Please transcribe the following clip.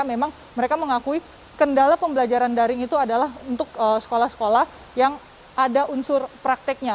memang mereka mengakui kendala pembelajaran daring itu adalah untuk sekolah sekolah yang ada unsur prakteknya